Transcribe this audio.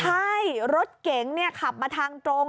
ใช่รถเก๋งขับมาทางตรง